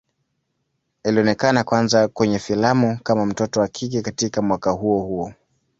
Alionekana kwanza kwenye filamu kama mtoto wa kike katika mwaka huo huo.